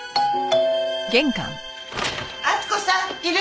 厚子さんいる？